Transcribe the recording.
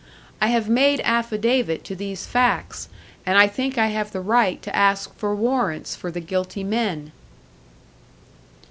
I have made affidavit to these facts, and I think I have the right to ask for warrants for the guilty men."